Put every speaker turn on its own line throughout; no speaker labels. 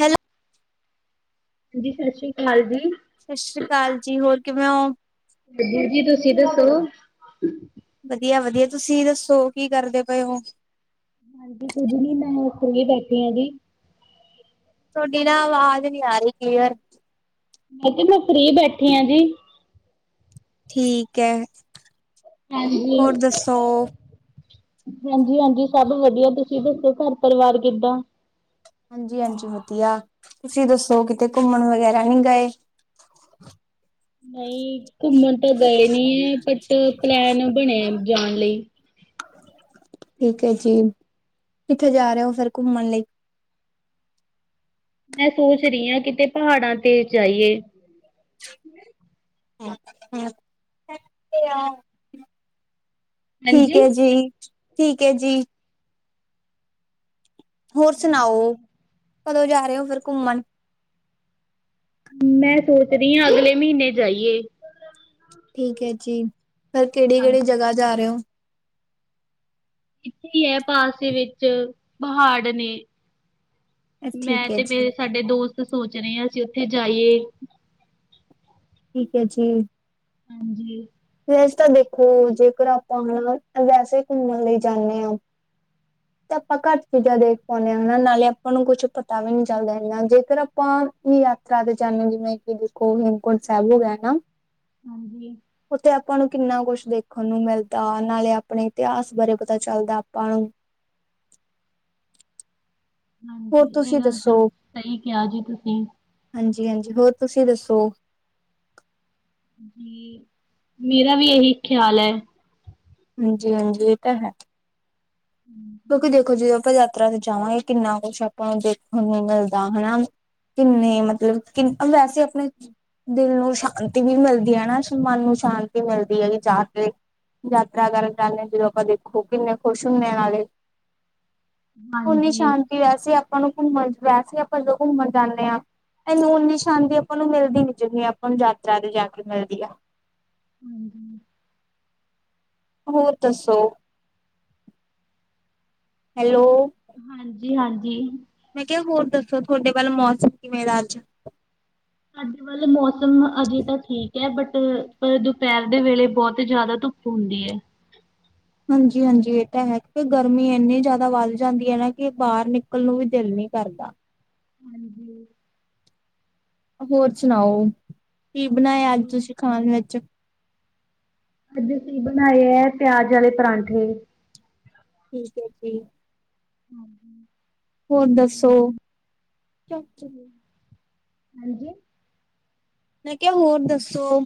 Hello.
ਹਾਂਜੀ, ਸਤਿ ਸ੍ਰੀ ਅਕਾਲ ਜੀ।
ਸਤਿ ਸ੍ਰੀ ਅਕਾਲ ਜੀ, ਹੋਰ ਕਿਵੇਂ ਹੋ?
ਵਧੀਆ ਜੀ, ਤੁਸੀਂ ਦੱਸੋ?
ਵਧੀਆ- ਵਧੀਆ, ਤੁਸੀਂ ਦੱਸੋ ਕੀ ਕਰਦੇ ਪਏ ਹੋ?
ਹਾਂਜੀ, ਕੁਝ ਨੀ ਮੈਂ ਫ੍ਰੀ ਬੈਠੀ ਹਾਂ ਜੀ।
ਤੁਹਾਡੀ ਨਾ, ਆਵਾਜ਼ ਨੀ ਆ ਰਹੀ ਕਲੀਅਰ।
ਮੈਂ ਕਿਹਾ, ਮੈਂ ਫਰੀ ਬੈਠੀ ਆਂ ਜੀ।
ਠੀਕ ਹੈ।
ਹਾਂਜੀ।
ਹੋਰ ਦੱਸੋ
ਹਾਂਜੀ -ਹਾਂਜੀ, ਸਭ ਵਧੀਆ ਤੁਸੀਂ ਦੱਸੋ ਘਰ ਪਰਿਵਾਰ ਕਿੱਦਾਂ?
ਹਾਂਜੀ- ਹਾਂਜੀ, ਵਧੀਆ ਤੁਸੀਂ ਦੱਸੋ, ਕਿਤੇ ਘੁੰਮਣ ਵਗੈਰਾ ਨਹੀਂ ਗਏ?
ਨਹੀਂ ਘੁੰਮਣ ਤਾਂ ਗਏ ਨੀ ਹੈ, ਬਟ ਪਲੈਨ ਬਣਿਆ ਜਾਣ ਲਈ।
ਠੀਕ ਹੈ ਜੀ, ਕਿੱਥੇ ਜਾ ਰਹੇ ਹੋ ਫੇਰ ਘੁੰਮਣ ਲਈ?
ਮੈਂ ਸੋਚ ਰਹੀ ਹਾਂ, ਕਿਤੇ ਪਹਾੜਾਂ ਤੇ ਜਾਈਏ।
ਹਾਂ [unintelligible] ਠੀਕ
ਹਾਂਜੀ।
ਹੈ ਜੀ, ਠੀਕ ਹੈ ਜੀ। ਹੋਰ ਸੁਣਾਓ, ਕਦੋਂ ਜਾ ਰਹੇ ਹੋ, ਫਿਰ ਘੁੰਮਣ?
ਮੈਂ ਸੋਚ ਰਹੀ ਹਾਂ, ਅਗਲੇ ਮਹੀਨੇ ਜਾਈਏ।
ਠੀਕ ਹੈ ਜੀ, ਪਰ ਕਿਹੜੀ- ਕਿਹੜੀ
ਹਾਂਜੀ।
ਜਗ੍ਹਾ ਜਾ ਰਹੇ ਹੋ?
ਇੱਥੇ ਹੀ ਹੈ, ਪਾਸ ਵਿੱਚ ਪਹਾੜ ਨੇ। ਮੈਂ
ਠੀਕ ਹੈ
ਤੇ
ਜੀ
ਮੇਰੇ, ਸਾਡੇ ਦੋਸਤ ਸੋਚ ਰਹੇ ਹਾਂ, ਅਸੀਂ ਉੱਥੇ ਜਾਈਏ।
ਠੀਕ, ਹੈ ਜੀ।
ਹਾਂਜੀ‌।
ਵੈਸੇ ਤਾਂ ਦੇਖੋ ਜੇਕਰ ਆਪਾਂ ਹੁਣ ਵੈਸੇ ਘੁੰਮਣ ਲਈ ਜਾਂਦੇ ਆ। [inaudible] ਤੇ ਆਪਾਂ ਘੱਟ ਚੀਜ਼ਾਂ ਦੇਖ ਪਾਓਣੇ ਹੈਨਾ ਨਾਲੇ ਆਪਾਂ ਨੂੰ ਕੁਛ ਪਤਾ ਵੀ ਨੀ ਚੱਲਦਾ ਹੈਨਾ ਜੇਕਰ ਆਪਾਂ ਵੀ ਯਾਤਰਾ ਦੇ ਜਾਨੇ ਆ ਜਿਵੇਂ ਕਿ ਦੇਖੋ ਹੇਮਕੁਂਟ ਸਾਹਿਬ ਹੋ ਗਿਆ ਨਾ।
ਹਾਂਜੀ।
ਉੱਥੇ ਆਪਾਂ ਨੂੰ ਕਿੰਨਾ ਕੁਛ ਦੇਖਣ ਨੂੰ ਮਿਲਦਾ ਨਾਲੇ ਆਪਣੇ ਇਤਿਹਾਸ ਬਾਰੇ ਪਤਾ ਚੱਲਦਾ ਆਪਾਂ ਨੂੰ।
ਹਾਂਜੀ,
ਹੋਰ
ਇਹ
ਤੁਸੀਂ
ਗੱਲ ਤਾਂ
ਦੱਸੋ
ਸਈ ਕਿਆ ਜੀ ਤੁਸੀਂ।
ਹਾਂਜੀ-ਹਾਂਜੀ, ਹੋਰ ਤੁਸੀਂ ਦੱਸੋ?
ਮੇਰਾ ਵੀ ਇਹੀ ਖਿਆਲ ਐ।
ਹਾਂਜੀ-ਹਾਂਜੀ ਇਹ ਤਾਂ ਹੈ।
[inaudible]
ਕਿਉਂਕਿ ਦੇਖੋ ਜਦੋਂ ਆਪਾਂ ਯਾਤਰਾ ਤੇ ਜਾਵਾਂਗੇ ਕਿੰਨਾ ਕੁਛ ਆਪਾਂ ਨੂੰ ਦੇਖਣ ਨੂੰ ਮਿਲਦਾ ਹੈਨਾ ਕਿੰਨੇ ਮਤਲਬ ਕਿੰਨ ਵੈਸੇ ਅਪਣੇ ਦਿਲ ਨੂੰ ਸ਼ਾਂਤੀ ਵੀ ਮਿਲਦੀ ਐ ਨਾ, ਮਨ ਨੂੰ ਸ਼ਾਂਤੀ ਮਿਲਦੀ ਐ ਕਿ ਜਾ ਕੇ ਯਾਤਰਾ ਕਰਨ ਜਾਨੇ ਆ ਜਦੋਂ ਆਪਾਂ ਦੇਖੋ ਕਿੰਨੇ ਖੁਸ਼ ਹੁੰਣੇ ਆ ਨਾਲੇ ਉਨੀ
ਹਾਂਜੀ,
ਸ਼ਾਂਤੀ ਵੈਸੇ ਆਪਾਂ ਨੂੰ ਘੁੰਮਣ ਵੈਸੇ ਆਪਾਂ ਜਦੋਂ ਘੁੰਮਣ ਜਾਂਦੇ ਆ। ਐਨੂੰ ਉਨੀ ਸ਼ਾਂਤੀ ਆਪਾਂ ਨੂੰ ਮਿਲਦੀ ਨੀ ਜਿੰਨੀ ਆਪਾਂ ਨੂੰ ਯਾਤਰਾ ਤੇ ਜਾ ਕੇ ਮਿਲਦੀ ਆ।
ਹਾਂਜੀ।
ਹੋਰ ਦਸੋ, ਹੈਲੋ।
ਹਾਂਜੀ-ਹਾਂਜੀ।
ਮੈਂ ਕਿਆ ਹੋਰ ਦੱਸੋ ਤੁਆਡੇ ਵੱਲ ਮੌਸਮ ਕਿਵੇਂ ਦਾ ਅੱਜ?
ਸਾਡੇ ਵੱਲ ਮੌਸਮ ਅਜੇ ਤਾਂ ਠੀਕ ਐ ਬਟ ਦੁਪਹਿਰ ਦੇ ਵੇਲੇ ਬਹੁਤ ਜਾਦਾ ਧੁਪ ਹੁੰਦੀ ਐ।
ਹਾਂਜੀ-ਹਾਂਜੀ ਇਹ ਤਾਂ ਐ ਕਿਉ ਗਰਮੀ ਇੰਨੀ ਜੈਦਾ ਵੱਧ ਜਾਂਦੀ ਐ ਨਾ ਕਿ ਬਾਹਰ ਨਿਕਲਣ ਨੂੰ ਵੀ ਦਿਲ ਨਈ ਕਰਦਾ।
ਹਾਂਜੀ।
ਹੋਰ ਸੁਣਾਓ, ਕੀ ਬਣਾਇਆ
ਤੇ
ਅੱਜ ਤੁਸੀਂ ਖਾਣ ਵਿੱਚ।
ਅੱਜ ਅਸੀਂ ਬਣਾਏ ਐ ਪਿਆਜ ਆਲੇ ਪਰਾਂਠੇ।
ਠੀਕ ਐ ਜੀ।
ਹਾਂਜੀ।
ਹੋਰ ਦੱਸੋ?
ਹਾਂਜੀ।
ਮੈਂ ਕਿਆ ਹੋਰ ਦੱਸੋ।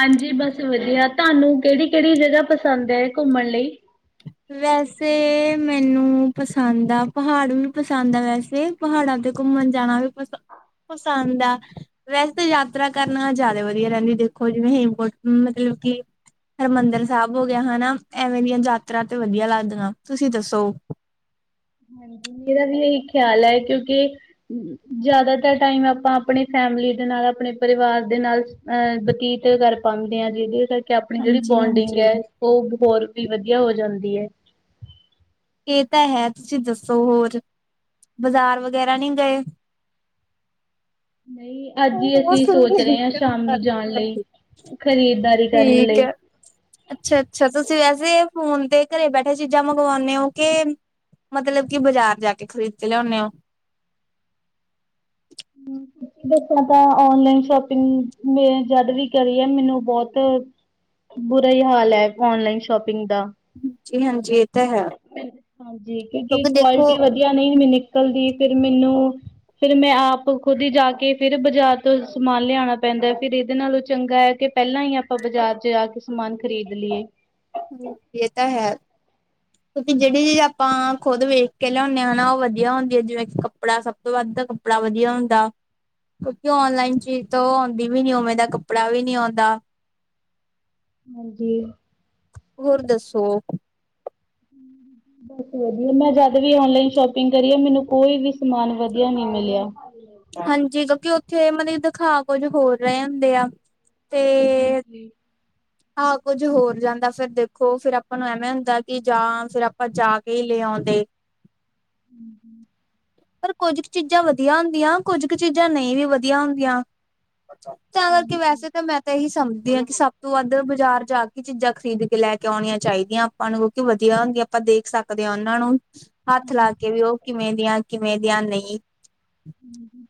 ਹਾਂਜੀ ਬਸ ਵਦੀਆ ਤੁਆਨੂੰ ਕੇੜੀ-ਕੇੜੀ ਜਗਾ ਪਸੰਦ ਐ ਘੁੰਮਣ ਲਈ।
ਵੈਸੇ ਮੈਨੂੰ ਪਸੰਦ ਆ, ਪਹਾੜ ਵੀ ਪਸੰਦ ਆ ਵੈਸੇ। ਪਹਾੜਾਂ ਤੇ ਘੁੰਮਣ ਜਾਣਾ ਵੀ ਪਸ ਪਸੰਦ ਆ। ਵੈਸੇ ਤਾਂ ਯਾਤਰਾ ਕਰਨਾ ਜੈਦਾ ਵਦੀਆ ਰਹਿੰਦੀ ਦੇਖੋ ਜਿਵੇਂ ਹੇਮਕੁਂਟ ਮਤਲਬ ਕਿ ਹਰਿਮੰਦਰ ਸਾਹਿਬ ਹੋ ਗਿਆ ਹੈਨਾ ਐਵੇਂ ਦੀਆਂ ਯਾਤਰਾ ਤੇ ਵਦੀਆ ਲਾਦਨਾ, ਤੁਸੀਂ ਦੱਸੋ?
ਹਾਂਜੀ, ਮੇਰਾ ਵੀ ਇਹੀ ਖਿਆਲ ਐ ਕਿਉਂਕਿ ਜਿਆਦਾਤਰ ਟਾਈਮ ਆਪਾਂ ਆਪਣੇ ਫੈਮਿਲੀ ਦੇ ਨਾਲ ਆਪਣੇ ਪਰਿਵਾਰ ਦੇ ਨਾਲ ਅ ਬਤੀਤ ਕਰ ਪਾਉਂਦੇ ਆ ਜਿਦੇ ਕਰਕੇ ਆਪਣੀ ਜਿਹੜੀ ਬੋਂਡਿੰਗ
ਹਾਂਜੀ-ਹਾਂਜੀ
ਹੈ ਉਹ ਹੋਰ ਵੀ ਵਧੀਆ ਹੋ ਜਾਂਦੀ ਹੈ
ਇਹ ਤਾਂ ਹੈ ਤੁਸੀਂ ਦੱਸੋ ਹੋਰ ਬਾਜ਼ਾਰ ਵਗੈਰਾ ਨਹੀਂ ਗਏ [inaudible] [unintelligible]
ਨਹੀਂ ਅੱਜ ਹੀ ਅਸੀਂ ਸੋਚ ਰਹੇ ਹਾਂ ਸ਼ਾਮ ਨੂੰ ਜਾਣ ਲਈ ਖਰੀਦਦਾਰੀ ਕਰਨ
ਠੀਕ
ਲਈ
ਐ। ਅੱਛਾ-ਅੱਛਾ, ਤੁਸੀਂ ਵੈਸੇ ਫੋਨ ਤੇ ਘਰੇ ਬੈਠੇ ਚੀਜ਼ਾਂ ਮੰਗਵਾਉਨੇ ਓ- ਕੇ ਮਤਲਬ ਕਿ ਬਾਜ਼ਾਰ ਜਾ ਕੇ ਖ਼ਰੀਦ ਕੇ ਲਿਆਉਨੇ ਓ।
ਦੱਸਾਂ ਤਾਂ ਓਨਲਾਈਨ ਸ਼ੋਪਿੰਗ ਮੈਂ ਜਦ ਵੀ ਕਰੀ ਐ ਮੈਨੂੰ ਬਹੁਤ ਬੁਰਾ ਈ ਹਾਲ ਐ ਓਨਲਾਈਨ ਸ਼ੋਪਿੰਗ ਦਾ।
ਹਾਂਜੀ-ਹਾਂਜੀ ਇਹ ਤਾਂ ਹੈ
ਹਾਂਜੀ, ਕਿਉਂਕਿ ਕੁਆਲਿਟੀ ਵਦੀਆ ਵਦੀਆ ਨਈ ਵੀ ਨਿਕਲਦੀ ਫੇਰ ਮੈਨੂੰ ਫੇਰ ਮੈਂ ਆਪ ਖੁਦ ਈ ਜਾ ਕੇ ਫਿਰ ਬਾਜ਼ਾਰ ਤੋਂ ਸਮਾਨ ਲਿਆਣਾ ਪੈਂਦਾ ਫਿਰ ਇਹਦੇ ਨਾਲੋਂ ਚੰਗਾ ਐ ਕਿ ਪਹਿਲਾਂ ਈ ਆਪਾਂ ਬਾਜ਼ਾਰ ਚ ਜਾ ਕੇ ਸਮਾਨ ਖਰੀਦ ਲਿਏ।
ਸਾਨੂੰ ਹੂ ਇਹ ਤਾਂ ਹੈ ਕਿਉਂਕਿ ਜਿਹੜੀ ਚੀ ਆਪਾਂ ਖੁਦ ਵੇਖ ਲਿਆਉਦੇ ਹਨਾ ਉਹ ਵਧੀਆ ਹੁੰਦੀ ਹੈ ਜਿਵੇਂ ਕਿ ਕੱਪੜਾ ਸਭ ਤੋਂ ਵੱਧ ਕੱਪੜਾ ਵਧੀਆ ਹੁੰਦਾ ਕਿਉਂਕਿ ਔਨਲਾਈਨ ਚੀਜ਼ ਤੋਂ ਆਉਂਦੀ ਵੀ ਨੀ ਉਵੇਂ ਦਾ ਕੱਪੜਾ ਵੀ ਨੀ ਆਉਂਦਾ
ਹਾਂਜੀ
ਹੋਰ ਦੱਸੋ
ਬਸ ਵਧੀਆ ਮੈਂ ਜਦ ਵੀ ਔਨਲਾਈਨ ਸ਼ੋਪਿੰਗ ਕਰੀ ਆ ਮੈਨੂੰ ਕੋਈ ਵੀ ਸਮਾਨ ਵਧੀਆ ਨੀ ਮਿਲਿਆ
ਹਾਂਜੀ ਕਿਉਂਕਿ ਉੱਥੇ ਮਤਲਬ ਦਿਖਾ ਕੁੱਝ ਹੋਰ ਰਹੇ ਹੁੰਦੇ ਆ ਤੇ
[unintelligible]
ਆਹ ਕੁੱਝ ਹੋਰ ਜਾਂਦਾ ਫਿਰ ਦੇਖੋ ਫਿਰ ਆਪਾਂ ਨੂੰ ਐਵੇਂ ਹੁੰਦਾ ਕਿ ਜਾਂ ਫਿਰ ਆਪਾਂ ਜਾ ਕੇ ਹੀ ਲੈ ਆਉਂਦੇ
[inaudible]
ਪਰ ਕੁੱਝ ਕੁ ਚੀਜ਼ਾਂ ਵਧੀਆ ਹੁੰਦੀਆਂ ਕੁੱਝ ਕੁ ਚੀਜ਼ਾਂ ਨਹੀਂ ਵੀ ਵਧੀਆ ਹੁੰਦੀਆਂ ਚਾਵਲ ਕੇ ਵੈਸੇ ਤਾਂ ਮੈਂ ਤਾਂ ਇਹੀ ਸਮਝਦੀ ਹਾਂ ਕਿ ਸਭ ਤੋਂ ਵੱਧ ਬਾਜ਼ਾਰ ਜਾ ਕੇ ਚੀਜ਼ਾਂ ਖਰੀਦ ਕੇ ਲੈ ਕੇ ਆਉਣੀਆਂ ਚਾਹੀਦੀਆਂ ਆਪਾਂ ਨੂੰ ਕਿਉਂਕਿ ਵਧੀਆ ਹੁੰਦੀਆਂ ਆਪਾਂ ਦੇਖ ਸਕਦੇ ਹਾਂ ਉਹਨਾਂ ਨੂੰ ਹੱਥ ਲਾ ਕੇ
ਹਾਂਜੀ
ਵੀ ਉਹ ਕਿਵੇਂ ਦੀਆਂ ਕਿਵੇਂ ਦੀਆਂ ਨਹੀਂ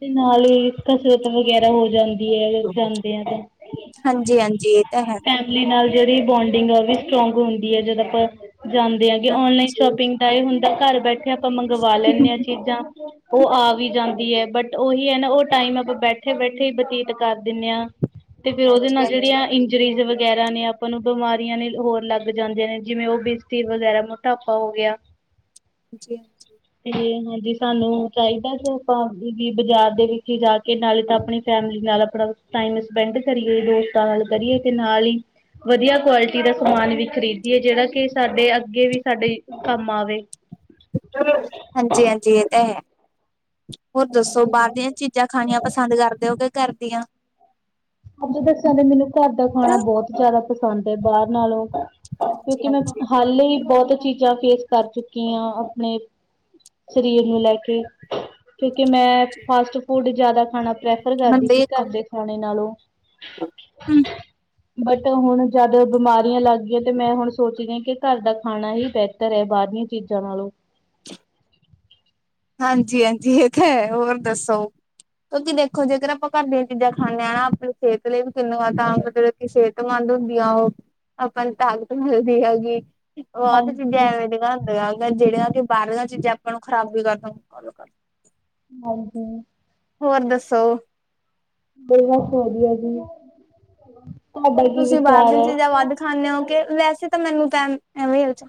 ਤੇ ਨਾਲ ਹੀ ਕਸਰਤ ਵਗੈਰਾ ਹੋ ਜਾਂਦੀ ਜਾਂਦੇ ਆ
ਹਾਂਜੀ ਹਾਂਜੀ ਇਹ ਤਾਂ ਹੈ
ਤੇ ਨਾਲ ਜਿਹੜੀ ਬੋਂਡਿੰਗ ਆ ਉਹ ਵੀ ਸਟਰੋਂਗ ਹੁੰਦੀ ਹੈ ਜਦੋਂ ਆਪਾਂ ਜਾਂਦੇ ਹਾਂਗੇ ਔਨਲਾਈਨ
ਹਾਂਜੀ
ਸ਼ੋਪਿੰਗ ਤਾਂ ਇਹ ਹੁੰਦਾ ਘਰ ਬੈਠੇ ਆਪਾਂ ਮੰਗਵਾ ਲੈਂਦੇ
ਹਾਂਜੀ
ਹਾਂ ਚੀਜ਼ਾਂ ਉਹ ਆ ਵੀ ਜਾਂਦੀ ਬਟ ਉਹੀ ਹੈ ਨਾ ਉਹ ਟਾਈਮ ਆਪਾਂ ਬੈਠੇ ਬੈਠੇ ਹੀ ਬਤੀਤ ਕਰ ਦਿੰਦੇ ਹਾਂ ਤੇ ਫਿਰ ਉਹਦੇ ਨਾਲ ਜਿਹੜੀ
ਹਾਂਜੀ
ਆ ਇੰਡੀ ਜਰੀਜ਼ ਵਗੈਰਾ ਨੇ ਆਪਾਂ ਨੂੰ ਬਿਮਾਰੀਆਂ ਹੋਰ ਲੱਗ ਜਾਂਦੇ ਨੇ ਜਿਵੇਂ ਉਹ ਬਿਸਤੀ ਵਗੈਰਾ ਮੋਟਾਪਾ ਹੋ ਗਿਆ
ਜੀ
ਤੇ ਹਾਂਜੀ ਸਾਨੂੰ ਚਾਹੀਦਾ ਜੋ ਭਾ ਵੀ ਬਾਜ਼ਾਰ ਦੇ ਵਿਖੇ ਜਾ ਕੇ ਨਾਲੇ ਤਾਂ ਆਪਣੀ ਫੈਮਿਲੀ ਨਾਲ ਆਪਣਾ ਟਾਈਮ ਸਪੈਂਡ ਕਰੀਏ ਦੋਸਤਾਂ ਨਾਲ ਕਰੀਏ ਤੇ ਨਾਲ ਹੀ ਵਧੀਆ ਕੁਆਲਿਟੀ ਦਾ ਸਮਾਨ ਵੀ ਖਰੀਦੀਏ ਜਿਹੜਾ ਕਿ ਸਾਡੇ ਅੱਗੇ ਵੀ ਸਾਡੇ ਕੰਮ ਆਵੇ
ਹਾਂਜੀ ਹਾਂਜੀ ਇਹ ਹੋਰ ਦੱਸੋ
ਹਾਂਜੀ
ਬਾਹਰ ਦੀਆਂ ਚੀਜ਼ਾਂ ਜਾਂ ਖਾਣੀਆਂ ਪਸੰਦ ਕਰਦੇ ਹੋ ਕਿ ਘਰ ਦੀਆਂ?
ਅਸਲ ਦੱਸਾਂ ਦੇ ਮੈਨੂੰ ਘਰ ਦਾ ਖਾਣਾ ਬਹੁਤ ਜ਼ਿਆਦਾ ਪਸੰਦ ਹੈ ਬਾਹਰ ਨਾਲੋਂ
ਹਾਂਜੀ
ਕਿਉਂਕਿ ਮੈਂ
ਹਾਂਜੀ
ਹਾਲੇ ਹੀ ਬਹੁਤ ਚੀਜ਼ਾਂ ਫੇਸ ਕਰ ਚੁੱਕੀ ਹਾਂ ਆਪਣੇ ਸਰੀਰ ਨੂੰ ਲੈ ਕੇ ਕਿਉਂਕਿ ਮੈਂ ਫਾਸਟ ਫੂਡ ਜਿਆਦਾ ਖਾਣਾ ਪ੍ਰੈਫਰ ਕਰਦੀ ਸੀ ਘਰ ਦੇ ਖਾਣੇ ਨਾਲੋਂ
ਹੂ,,,
ਬਟ ਹੁਣ ਜਦ ਬਿਮਾਰੀਆਂ ਲੱਗ ਗਈਆਂ ਤੇ ਮੈਂ ਹੁਣ ਸੋਚਦੀ ਹੀ ਹਾਂ ਕਿ ਘਰ ਦਾ ਖਾਣਾ ਹੀ ਬੈਸਟ ਘਰੇ ਬਾਹਰ ਦੀਆਂ ਚੀਜ਼ਾਂ ਨਾਲੋਂ
ਹਾਂਜੀ ਹਾਂਜੀ ਇਹ ਤਾਂ ਹੈ ਹੋਰ ਦੱਸੋ ਕਿਉਂਕਿ ਦੇਖੋ ਜੇਕਰ ਆਪਾਂ ਘਰ ਦੀਆਂ ਚੀਜ਼ਾਂ ਖਾਂਦੇ ਹਾਂ ਨਾ ਆਪਣੇ ਸੇਹਤ ਲਈ ਵੀ ਕਿਨੂੰ ਆ ਤਾਂ ਸਿਹਤਮੰਦ ਹੁੰਦੀ ਆ। ਉਹ ਆਪਾਂ ਨੂੰ ਤਾਕਤ ਮਿਲਦੀ ਹੈਗੀ। ਬਹੁ ਤੇ ਚੀਜ਼ਾਂ
ਹਾਂਜੀ
ਐਵੇਂ ਜੀਆਂ ਹੁੰਦੀਆਂ ਜਿਹੜੀਆਂ ਕਿ ਵਾਰਲੀਆ ਚੀਜ਼ਾਂ ਆਪਾਂ ਨੂੰ ਖਰਾਬ ਵੀ ਕਰਦੀਆ। ਆਜੋ ਕਰ ਲਓ
ਹਾਂਜੀ
ਹੋਰ ਦੱਸੋ
ਬਸ ਵਧੀਆ ਜੀ ਤੁਹਾਡਾ ਕੀ
ਤੁਸੀਂ ਬਾਹਰ
ਵਿਚਾਰ
ਦੀ
ਹੈ?
ਚੀਜ਼ਾਂ ਵੱਧ ਖਾਂਦੇ ਹੋ ਕੇ ਵੈਸੇ ਮੈਨੂੰ ਤਾਂ ਐਵੇ ਹੋ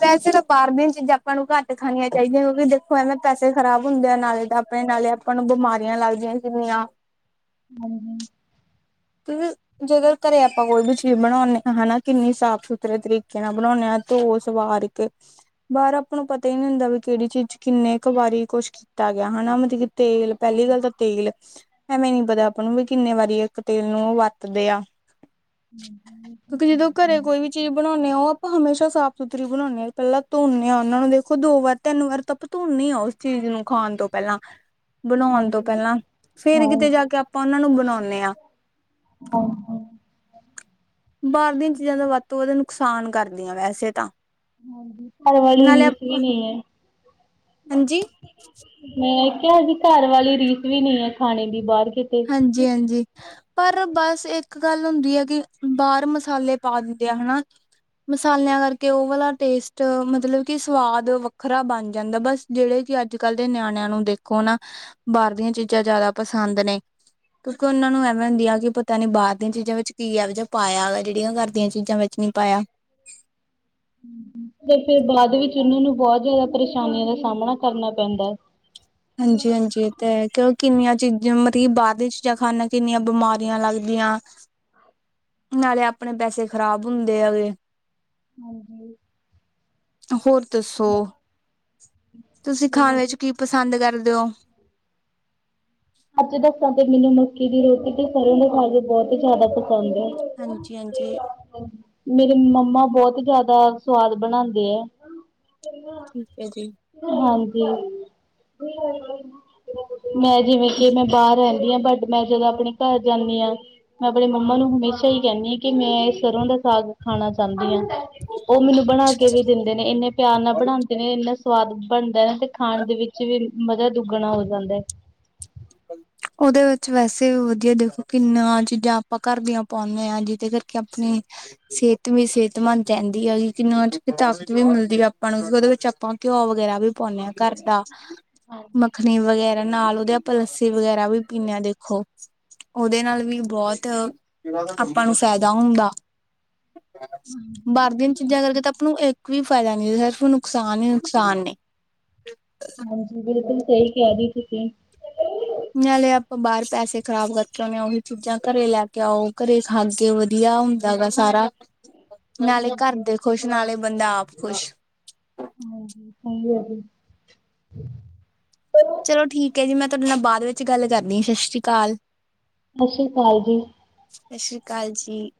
ਵੈਸੇ ਤਾਂ ਬਾਹਰ ਦੀਆਂ ਚੀਜ਼ਾਂ ਆਪਾਂ ਨੂੰ ਘੱਟ ਖਾਣੀਆਂ ਚਾਹੀਦੀਆਂ ਕਿਉਂਕਿ ਦੇਖੋ ਐਵੇਂ ਪੈਸੇ ਖਰਾਬ ਹੁੰਦੇ ਆ ਨਾਲੇ ਤਾਂ ਨਾਲੇ ਆਪਾਂ ਨੂੰ ਬਿਮਾਰੀਆਂ ਲੱਗਦੀਆਂ ਕਿੰਨੀਆਂ
ਹਾਜੀ
ਕਿ ਜੇਕਰ ਘਰੇ ਆਪਾਂ ਕੋਈ ਵੀ ਚੀਜ਼ ਬਣਾਉਂਨੇ ਆ ਹਨਾ, ਕਿੰਨੀ ਸਾਫ਼ ਸੁਥਰੇ ਤਰੀਕੇ ਨਾਲ ਬਣਾਉਂਨੇ ਆ। ਧੋ ਸਵਾਰ ਕੇ ਬਾਹਰ ਆਪਾਂ ਨੂੰ ਪਤਾ ਹੀ ਨਹੀਂ ਹੁੰਦਾ ਵੀ ਕਿਹੜੀ ਚੀਜ਼ ਚ ਕਿੰਨੇ ਕੁ ਵਾਰੀ ਕੁੱਛ ਕੀਤਾ ਗਿਆ ਹਨਾ। ਮਤਲਬ ਤੇਲ ਪਹਿਲੀ ਗੱਲ
ਹਾਂਜੀ
ਤਾਂ ਤੇਲ ਐਵੇਂ ਨੀ ਪਤਾ ਆਪਾਂ ਨੂੰ ਵੀ ਕਿੰਨੇ ਵਾਰੀ ਤੇਲ ਨੂੰ ਵਰਤਦੇ ਆ।
ਹਾਂ
ਕਿਉਂਕਿ ਜਦੋਂ ਘਰੇ ਕੋਈ ਵੀ ਚੀਜ਼
[inaudible]
ਬਣਾਉਂਦੇ ਉਹ ਆਪਾਂ ਹਮੇਸ਼ਾ ਸਾਫ਼ ਸੁਥਰੀ ਬਣਾਉਂਨੇ ਆ। ਪਹਿਲਾਂ ਧੋਂਨੇ ਆ ਉਹਨਾਂ ਨੂੰ ਦੇਖੋ ਦੋ ਵਾਰ, ਤਿੰਨ ਵਾਰ ਤਪ ਧੋਨੀ ਆ ਉਸ ਚੀਜ਼ ਨੂੰ ਖਾਣ ਤੋਂ ਪਹਿਲਾਂ। ਬਣਾਉਣ ਤੋਂ ਪਹਿਲਾਂ ਫੇਰ ਕਿਤੇ ਜਾ
ਹਾਂਜੀ
ਕੇ ਆਪਾਂ ਉਹਨਾਂ ਨੂੰ ਬਣਾ਼ਦੇ ਆ।
ਹਾ, ਹਾ
ਬਾਹਰ ਦੀਆਂ ਚੀਜ਼ਾਂ ਦਾ ਵੱਧ ਤੋਂ ਵੱਧ ਨੁਕਸਾਨ ਕਰਦੀਆਂ ਵੈਸੇ ਤਾਂ।
ਘਰ ਵਾਲੀ
ਨਾਲੇ
ਰੀਸ ਵੀ
ਆਪਾਂ
ਨੀ ਐ।
ਹਾਂਜੀ?
ਮੈਂ ਕਿਹਾ ਜ ਘਰ ਵਾਲੀ ਰੀਸ ਵੀ ਨੀ ਐ ਖਾਣੇ ਦੀ ਬਾਹਰ ਕਿਤੇ।
ਹਾਂਜੀ, ਹਾਂਜੀ। ਪਰ ਬਸ ਇੱਕ ਗੱਲ ਹੁੰਦੀ ਹੈ ਕਿ ਬਾਹਰ ਮਸਾਲੇ ਪਾ ਦਿੰਦੇ ਆ ਹਨਾ। ਮਸਾਲਿਆਂ ਕਰਕੇ ਉਹ ਵਾਲਾ ਟੇਸਟ ਮਤਲਬ ਕਿ ਸਵਾਦ ਵੱਖਰਾ ਬਣ ਜਾਂਦਾ ਬਸ। ਜਿਹੜੇ ਕਿ ਅੱਜ-ਕੱਲ ਦੇ ਨਿਆਣਿਆਂ ਨੂੰ ਦੇਖੋ ਨਾ ਬਾਹਰ ਦੀਆਂ ਚੀਜ਼ਾਂ ਜ਼ਿਆਦਾ ਪਸੰਦ ਨੇ। ਕਿਉਂਕਿ ਉਹਨਾਂ ਨੂੰ ਐਵੇਂ ਹੁੰਦੀ ਆ ਕਿ ਪਤਾ ਨੀ ਬਾਹਰ ਦੀਆਂ ਚੀਜ਼ਾਂ ਵਿੱਚ ਕੀ ਹੈ ਜਾਂ ਪਾਇਆ ਵਾ ਜਿਹੜੀਆਂ ਘਰ ਦੀਆਂ ਚੀਜ਼ਾਂ ਵਿੱਚ ਨਹੀਂ ਪਾਇਆ।
ਤੇ ਫਿਰ ਬਾਅਦ ਵਿੱਚ ਓਨਾਂ ਨੂੰ ਬਹੁਤ ਜਿਆਦਾ ਪਰੇਸ਼ਾਨੀਆਂ ਦਾ ਸਾਹਮਣਾ ਕਰਨਾ ਪੈਂਦੈ।
ਹਾਂਜੀ, ਹਾਂਜੀ। ਤੇ ਕਿ ਕਿੰਨੀਆਂ ਚੀਜ਼ਾਂ ਮਤਲਬ ਕਿ ਬਾਹਰ ਦੀਆਂ ਚੀਜ਼ਾਂ ਖਾਂਨੇ ਕਿੰਨੀਆਂ ਬਿਮਾਰੀਆਂ ਲੱਗਦੀਆਂ। ਨਾਲੇ ਆਪਣੇ ਪੈਸੇ ਖ਼ਰਾਬ ਹੁੰਦੇ ਹੈਗੇ।
ਹਾਂਜੀ
ਹੋਰ ਦੱਸੋ? ਤੁਸੀਂ ਖਾਣ ਵਿੱਚ ਕੀ ਪਸੰਦ ਕਰਦੇ ਓ?
ਅਜ ਦੱਸਾਂ ਤੇ ਮੈਨੂੰ ਮੱਕੀ ਦੀ ਰੋਟੀ ਤੇ ਸਰ੍ਹੋਂ ਦੇ ਸਾਗ ਬਹੁਤ ਜ਼ਿਆਦਾ ਸੁਦੇ
ਹਾਂਜੀ ਹਾਂਜੀ
[unintelligible] ਮੇਰੇ ਮੰਮਾ ਬਹੁਤ ਜਿਆਦਾ ਸਵਾਦ ਬਣਾਂਦੇ ਐ।
ਠੀਕ ਹੈ ਜੀ।
ਹਾਂਜੀ, ਮੈਂ ਜਿਵੇ ਕਿ ਮੈਂ ਬਾਹਰ ਰਹਿੰਦੀ ਹਾਂ ਬਟ ਮੈਂ ਜਦੋਂ ਆਪਣੇ ਘਰ ਜਾਂਦੀ ਆ ਮੈਂ ਆਪਣੇ ਮੰਮਾ ਨੂੰ ਹਮੇਸ਼ਾ ਹੀ ਕਹਿੰਦੀ ਹ ਕਿ ਮੈਂ ਸਰ੍ਹੋਂ ਦਾ ਸਾਗ ਖਾਣਾ ਚਾਂਦੀ ਆਂ। ਉਹ ਮੈਨੂੰ ਬਣਾ ਕੇ ਵੀ ਦਿੰਦੇ ਨੇ ਇੰਨੇ ਪਿਆਰ ਨਾਲ ਬਣਾਉਂਦੇ ਨੇ। ਇੰਨਾ ਸਵਾਦ ਬਣਦੈ। ਤੇ ਖਾਣ ਦੇ ਵਿੱਚ ਵੀ ਮਜ਼ਾ ਦੁੱਗਣਾ ਹੋ ਜਾਂਦਾ ਐ।
[inaudible] ਉਹਦੇ ਵਿੱਚ ਵੈਸੇ ਵੀ ਵਧੀਆ ਦੇਖੋ ਕਿੰਨਾ ਚੀਜ਼ਾਂ ਆਪਾਂ ਘਰ ਦੀਆਂ ਪਾਉਂਦੇ ਆ। ਜਿਹਦੇ ਕਰਕੇ ਆਪਣੀ ਸਿਹਤ ਵੀ ਸਿਹਤਮੰਦ ਰਹਿੰਦੀ ਐ ਕਿਨਾ ਤਾਕਤ ਵੀ ਮਿਲਦੀ ਐ। ਆਪਾਂ ਨੂੰ ਉਹਦੇ ਵਿੱਚ ਆਪਾਂ ਘਿਓ ਵਗੈਰਾ ਵੀ ਪਾਉਂਦੇ ਹਾਂ ਘਰ ਦਾ
ਹਾਂਜੀ।
ਮੱਖਣੀ ਵਗੈਰਾ ਨਾਲ ਉਹਦੇ ਆਪਾਂ ਲੱਸੀ ਵਗੈਰਾ ਵੀ ਪੀਂਦੇ ਹਾਂ ਦੇਖੋ ਉਹਦੇ ਨਾਲ ਵੀ ਬਹੁਤ ਆਪਾਂ ਨੂੰ ਫਾਇਦਾ ਹੁੰਦਾ ਬਾਹਰ ਦੀਆਂ ਚੀਜ਼ਾਂ ਕਰਕੇ ਤਾਂ ਆਪ ਨੂੰ ਇੱਕ ਕੋ ਫਾਇਦਾ ਨੀ ਸਿਰਫ਼ ਨੁਕਸਾਨ ਈ ਨੁਕਸਾਨ ਨੇ।
ਹਾਂਜੀ, ਬਿਲਕੁਲ ਸਹੀ ਕਹਿ ਰਹੀ ਤੁਸੀਂ।
ਨਾਲੇ ਆਪਾਂ ਬਾਹਰ ਪੈਸੇ ਖ਼ਰਾਬ ਕਰਕੇ ਆਉਦੇ ਆ। ਉਹੀ ਚੀਜ਼ਾਂ ਘਰੇ ਲੈ ਕੇ ਆਓ ਘਰੇ ਖਾਗੇ ਵਧੀਆ ਦਾ ਗਾ ਸਾਰਾ ਨਾਲੇ ਘਰ
ਹਾਂਜੀ
ਦੇ ਖੁਸ਼ ਨਾਲੇ ਬੰਦਾ ਆਪ ਖੁਸ਼।
ਹਾਂਜੀ, ਸਹੀ ਆ ਜੀ।
ਚਲੋ ਠੀਕ ਹੈ ਜੀ। ਮੈਂ ਤੁਹਾਡੇ ਨਾਲ ਬਾਅਦ ਵਿੱਚ ਗੱਲ ਕਰਦੀ ਆ ਸਸ ਸ਼੍ਰੀ ਕਾਲ।
ਸਤਿ ਸ਼੍ਰੀ ਅਕਾਲ ਜੀ।
ਸਤਿ ਸ਼੍ਰੀ ਅਕਾਲ ਜੀ।